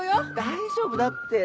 大丈夫だって。